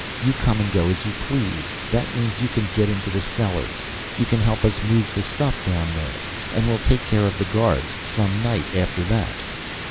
You come and go as you please. That means you can get into the cellars. You can help us move the stuff down there. And we'll take care of the guards some night, after that."